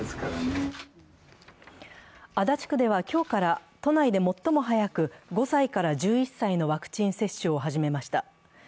足立区では今日から都内で最も早く５歳から１１歳のワクチン接種を始めました。